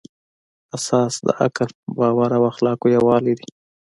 اساس د عقل، باور او اخلاقو یووالی دی.